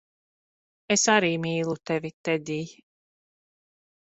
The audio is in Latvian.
Es arī mīlu tevi, Tedij.